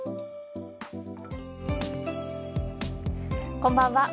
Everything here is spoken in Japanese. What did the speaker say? こんばんは。